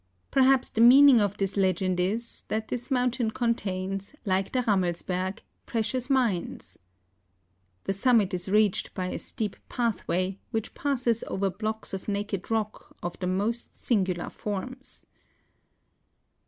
Perhaps the meaning of this legend is, that this mountain con¬ tains, like the Eammelsberg, precious mines. The summit is reached by a steep pathway, which passes over blocks of naked rock of the most singular forms.